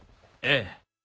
ええ。